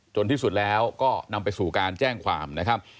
ที่สุดแล้วก็นำไปสู่การแจ้งความนะครับ